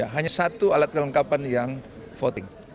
hanya satu alat kelengkapan yang voting